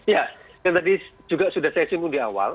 ya yang tadi juga sudah saya singgung di awal